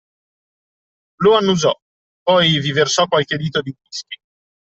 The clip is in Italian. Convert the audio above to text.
Lo annusò, poi vi versò qualche dito di whisky.